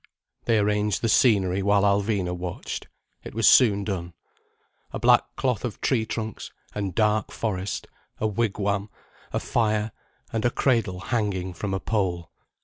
They arranged the scenery, while Alvina watched. It was soon done. A back cloth of tree trunks and dark forest: a wigwam, a fire, and a cradle hanging from a pole.